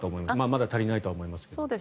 まだ足りないかなと思いますが。